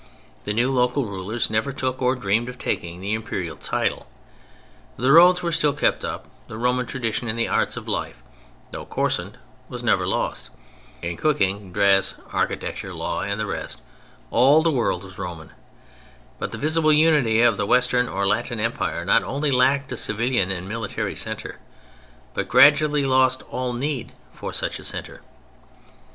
The new local rulers never took, or dreamed of taking, the Imperial title; the roads were still kept up, the Roman tradition in the arts of life, though coarsened, was never lost. In cooking, dress, architecture, law, and the rest, all the world was Roman. But the visible unity of the Western or Latin Empire not only lacked a civilian and military centre, but gradually lost all need for such a centre.